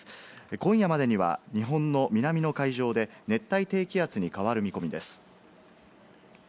今夜までには日本の南の海上で熱帯低気圧に変わる見込みです。